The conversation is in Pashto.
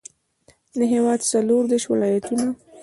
د هېواد څلوردېرش ولایتونه.